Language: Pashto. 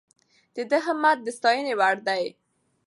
د ده همت د ستاینې وړ دی.